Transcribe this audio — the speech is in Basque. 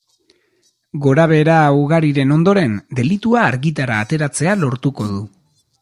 Gorabehera ugariren ondoren, delitua argitara ateratzea lortuko du.